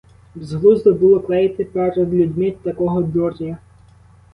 Безглуздо було клеїти перед людьми такого дурня!